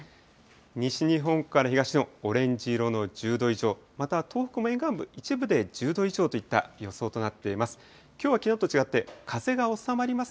西日本から東日本、オレンジ色の１０度以上、また東北も沿岸部、一部で１０度以上といった予想となっています。